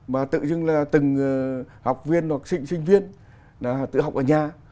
mà tự dưng là từng học viên hoặc sinh viên tự học ở nhà